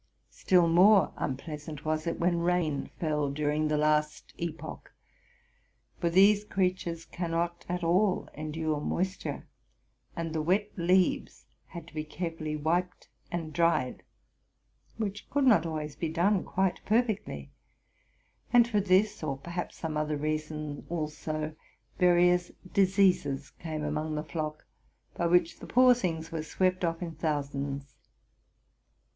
Still more unpleasant was it when rain fell during the last epoch; for these creatures cannot at all endure moisture, and the wet leaves had to be carefully wiped and dried, which could not always be done quite perfectly: and for this, or perhaps some other reason also, various diseases came among the flock, by which the poor things were swept off in thousands.